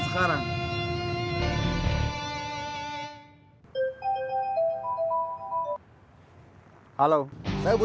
masukkan kasanah percopetan